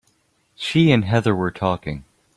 She and Heather were talking.